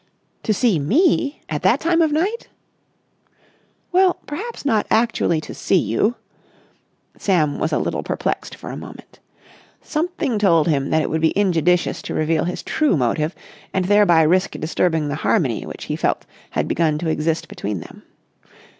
"To see me! At that time of night?" "Well, perhaps not actually to see you." Sam was a little perplexed for a moment. Something told him that it would be injudicious to reveal his true motive and thereby risk disturbing the harmony which he felt had begun to exist between them.